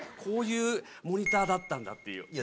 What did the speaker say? こういうモニターだったんだっていう。